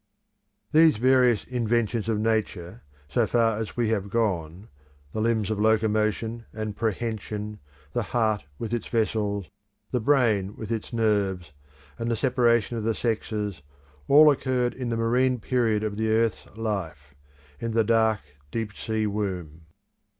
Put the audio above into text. These various inventions of Nature, so far as we have gone; the limbs of locomotion and prehension; the heart with its vessels; the brain with its nerves; and the separation of the sexes, all occurred in the marine period of the earth's life: in the dark deep sea womb.